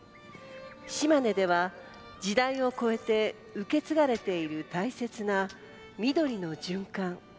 島根では、時代を越えて受け継がれている大切な緑の循環。